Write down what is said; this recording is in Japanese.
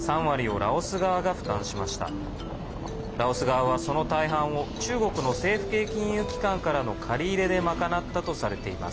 ラオス側は、その大半を中国の政府系金融機関からの借り入れで賄ったとされています。